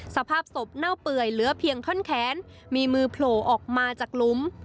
สภาพศพเน่าเปื่อยเหลือเพียงท่อนแขนมีมือโผล่ออกมาจากหลุม